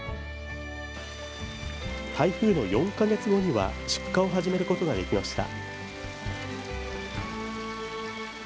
台風の４か月後には出荷を始めることができました。